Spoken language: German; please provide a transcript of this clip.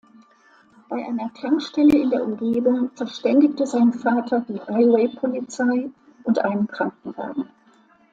Bei einer Tankstelle in der Umgebung verständigte sein Vater die Highway-Polizei und einen Krankenwagen.